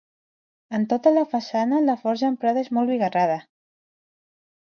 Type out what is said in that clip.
En tota la façana, la forja emprada és molt bigarrada.